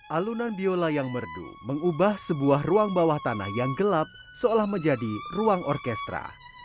alunan biola yang merdu mengubah sebuah ruang bawah tanah yang gelap seolah menjadi ruang orkestra